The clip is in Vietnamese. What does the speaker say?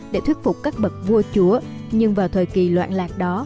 để thuyết phục các bậc vua chúa nhưng vào thời kỳ loạn lạc đó